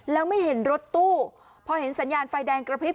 แล้วไม่เห็นรถตู้พอเห็นสัญญาณไฟแดงกระพริบ